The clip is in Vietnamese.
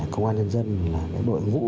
công an nhân dân là đội ngũ